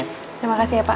terima kasih ya pak